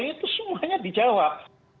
itu semuanya dijawab